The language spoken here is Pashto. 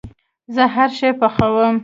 زه هرشی پخوم